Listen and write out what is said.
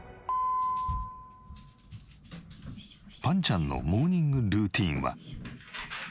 ぱんちゃんのモーニングルーティンは。